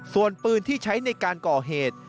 ส่วนปืนที่ใช้ในการก่อเหตุ